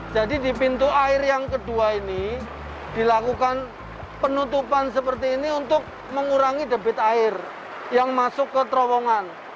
jadi di pintu air yang kedua ini dilakukan penutupan seperti ini untuk mengurangi debit air yang masuk ke terowongan